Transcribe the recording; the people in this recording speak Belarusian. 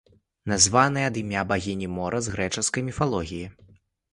Названая ад імя багіні мора з грэчаскай міфалогіі.